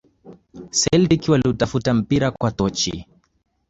celtic waliutafuta mpira kwa tochi